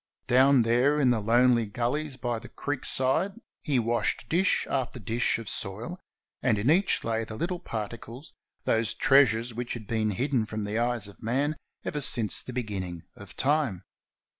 Down there in the lonely gullies by the creek side he washed dish after dish of soil, and in each lay the little particles, those treasures which had been hidden from the eyes of man ever since the beginning of time.